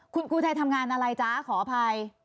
คุณอุทัยทำงานอะไรจ๊ะขออภัย